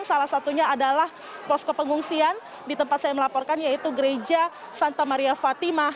salah satunya adalah posko pengungsian di tempat saya melaporkan yaitu gereja santa maria fatimah